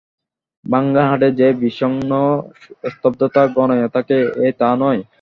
ভাঙা হাটে যে বিষগ্ন স্তব্ধতা ঘনাইয়া থাকে এ তা নয়।